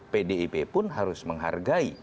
pdip pun harus menghargai